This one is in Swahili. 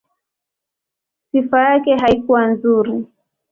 Sifa yake haikuwa nzuri.